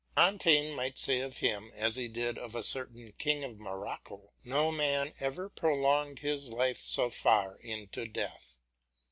Montaigne might say of him as he did of a certain king of Morocco, "No man ever prolonged his life so far into death."